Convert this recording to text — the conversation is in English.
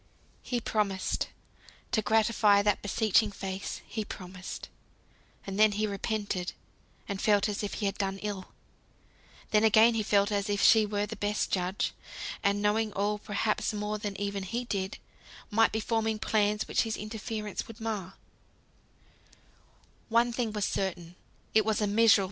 He promised; to gratify that beseeching face he promised. And then he repented, and felt as if he had done ill. Then again he felt as if she were the best judge, and knowing all (perhaps more than even he did) might be forming plans which his interference would mar.